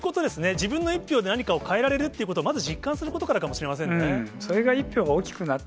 自分の一票で何かを変えられるということを、まず実感することかそれが一票が大きくなった。